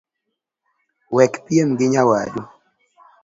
Wekpiem gi nyawadu